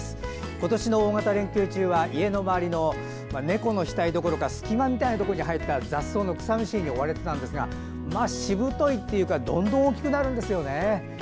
今年の大型連休中は家の周りの猫の額どころか隙間みたいなところに生えた雑草の草むしりに追われてたんですがしぶといっていうかどんどん大きくなるんですよね。